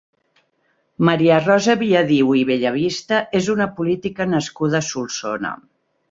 Maria Rosa Viadiu i Bellavista és una política nascuda a Solsona.